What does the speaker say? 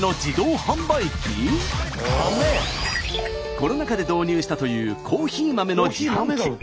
コロナ禍で導入したというコーヒー豆の自販機。